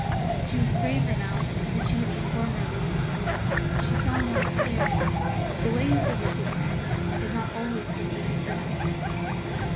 She was braver now than she had been formerly. She saw more clearly that the way of the wicked man is not always so easy for him.